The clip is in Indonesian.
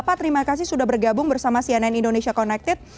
pak terima kasih sudah bergabung bersama cnn indonesia connected